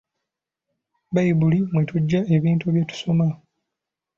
Bbayibuli mwe tujja ebintu bye tusoma.